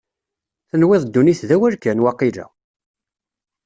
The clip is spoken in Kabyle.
Tenwiḍ ddunit d awal kan, waqila?